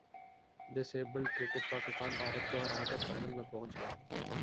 ڈس abled cricket Pakistan Bharat کو ہراکر final میں پہنچ گیا